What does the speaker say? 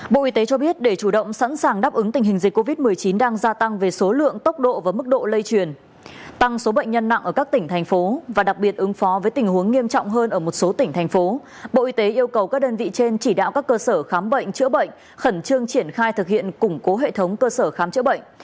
bộ y tế cho biết để chủ động sẵn sàng đáp ứng tình hình dịch covid một mươi chín đang gia tăng về số lượng tốc độ và mức độ lây truyền tăng số bệnh nhân nặng ở các tỉnh thành phố và đặc biệt ứng phó với tình huống nghiêm trọng hơn ở một số tỉnh thành phố bộ y tế yêu cầu các đơn vị trên chỉ đạo các cơ sở khám bệnh chữa bệnh khẩn trương triển khai thực hiện củng cố hệ thống cơ sở khám chữa bệnh